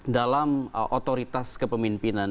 dalam otoritas kepemimpinan